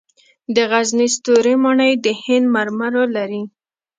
د غزني ستوري ماڼۍ د هند مرمرو لري